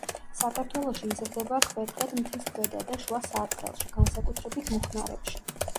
საქართველოში იზრდება ქვეტყედ მთის ქვედა და შუა სარტყელში, განსაკუთრებით მუხნარებში.